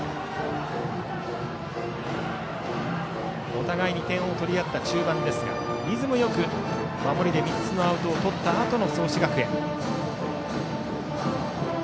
お互いに点を取り合った中盤ですがリズムよく、守りで３つのアウトをとったあとの創志学園。